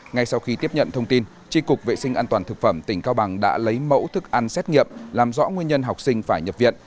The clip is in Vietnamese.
ngay sau khi tiếp nhận thông tin tri cục vệ sinh an toàn thực phẩm tỉnh cao bằng đã lấy mẫu thức ăn xét nghiệm làm rõ nguyên nhân học sinh phải nhập viện